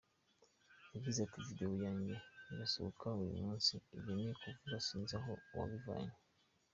Yagize ati “Video yanjye irasohoka uyu munsi, iyo uri kuvuga sinzi aho wayivanye.